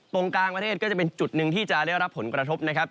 ตรงกลางประเทศก็จะเป็นจุดหนึ่งที่จะได้รับผลกระทบนะครับ